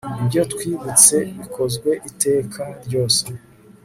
ibyo twibutse bikozwe iteka ryose